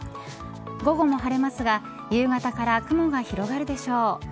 午後も晴れますが夕方から雲が広がるでしょう。